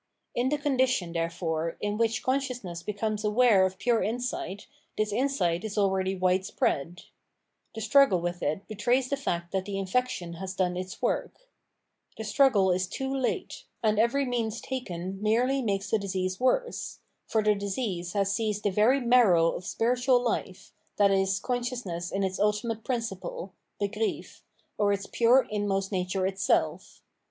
In the condition, therefore, in which consciousness becomes aware of pure insight, this insight is already widespread. The struggle with The Struggle of Enlightenment with Superstition 653 it betrays tbe fact that tbe iofection has done its work. Tbe struggle is too late ; and every means taken merely makes tbe disease worse ; for tbe disease bas seized tbe very marrow of spiritual bfe, viz. con sciousness in its ultimate principle {Begriff), or its pure inmost nature itself.